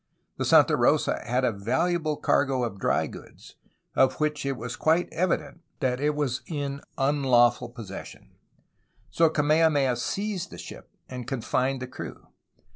The Santa Rosa had a valuable cargo of dry goods, of which it was quite evident that it was in un lawful possession. So Kamehameha seized the ship, and con fined the crew.